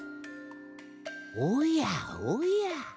おやおや。